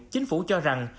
chính phủ cho rằng